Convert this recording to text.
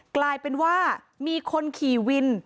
กลายเป็นว่ามีคนขี่วิน